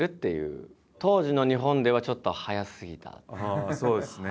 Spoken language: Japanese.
ああそうですね。